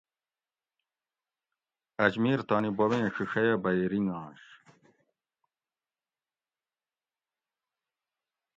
اجمیر تانی بوبیں ڛیڛیہ بھئی رِنگانش